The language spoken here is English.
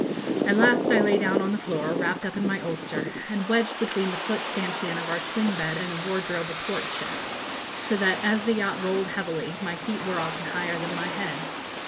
At last I lay down on the floor, wrapped up in my ulster, and wedged between the foot stanchion of our swing bed and the wardrobe athwart ship; so that as the yacht rolled heavily, my feet were often higher than my head.